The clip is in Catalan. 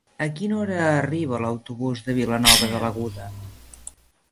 A quina hora arriba l'autobús de Vilanova de l'Aguda?